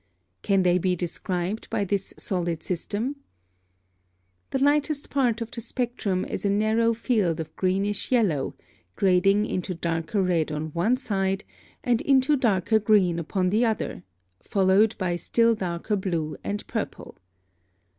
Can they be described by this solid system? (16) The lightest part of the spectrum is a narrow field of greenish yellow, grading into darker red on one side and into darker green upon the other, followed by still darker blue and purple.